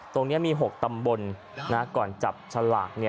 ตรงนี้มี๖ตำบลก่อนจับฉลาก